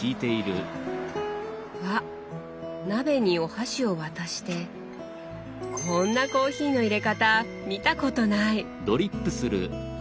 わ鍋にお箸を渡してこんなコーヒーのいれ方見たことない！